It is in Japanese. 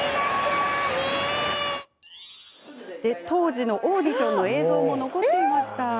当時のオーディションの映像も残っていました。